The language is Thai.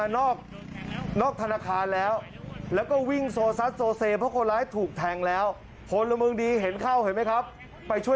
โดนแทงแล้วไม่ไหวแล้วโดนแทงเขาได้แล้ว